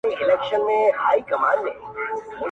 • د وطن په یاد، دا نسبتاً اوږده غزل ولیکله: -